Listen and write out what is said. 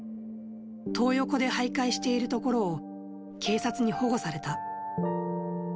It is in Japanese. トー横で徘徊しているところを、警察に保護された。